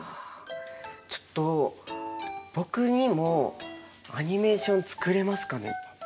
ちょっと僕にもアニメーション作れますかね？